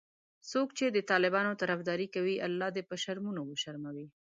څوک چې د طالبانو طرفداري کوي الله دي په شرمونو وشرموي